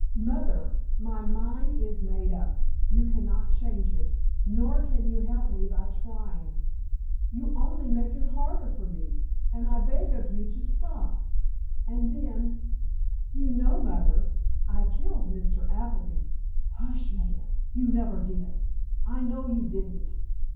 "Mother, my mind is made up. You cannot change it, nor can you help me by trying. You only make it harder for me, and I beg of you to stop. And then—you know, mother—I killed Mr. Appleby——" "Hush, Maida, you never did! I know you didn't!"